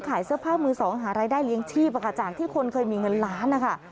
ขายเสื้อผ้ามือสองหารายได้เลี้ยงชีพจากที่คนเคยมีเงินล้านนะคะ